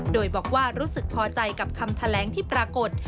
โดยบอกว่ารู้สึกพอใจกับคำแถลงที่ปรากฏ